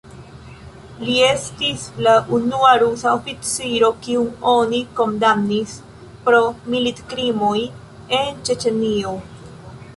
Li estis la unua rusa oficiro, kiun oni kondamnis pro militkrimoj en Ĉeĉenio.